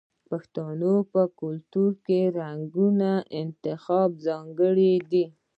د پښتنو په کلتور کې د رنګونو انتخاب ځانګړی دی.